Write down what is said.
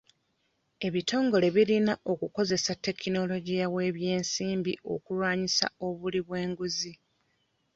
Ebitongole birina okukozesa tekinologiya w'ebyensimbi okulwanisa obuli bw'enguzi.